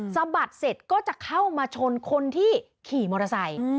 สะบัดเสร็จก็จะเข้ามาชนคนที่ขี่มอเตอร์ไซค์